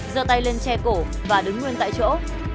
dơ tay lên che cổ và đứng nguyên tại chỗ